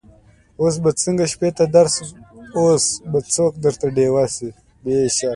اوس به څنګه شپې ته درسم اوس به څوک درته ډېوه سي